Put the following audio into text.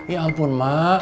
ya ampun mak